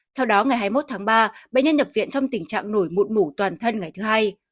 theo đó ngày hai mươi một tháng ba bệnh nhân nhập viện trong tình trạng nổi mụn mủ toàn thân ngày thứ hai